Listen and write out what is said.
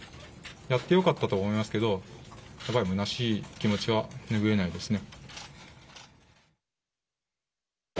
やってよかったとは思いますけど、やっぱりむなしい気持ちは拭えないですね。